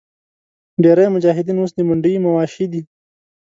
ډېری مجاهدین اوس د منډیي مواشي دي.